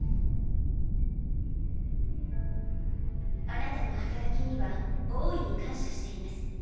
あなたの働きには大いに感謝しています。